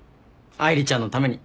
愛梨ちゃんのために。